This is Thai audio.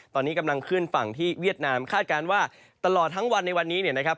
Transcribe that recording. ตอนนี้กำลังขึ้นฝั่งที่เวียดนามคาดการณ์ว่าตลอดทั้งวันในวันนี้เนี่ยนะครับ